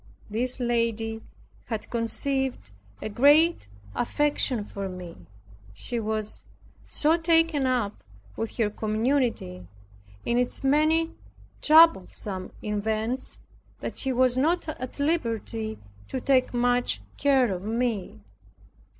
This lady had conceived a great affection for me. She was so taken up with her community, in its many troublesome events that she was not at liberty to take much care of me.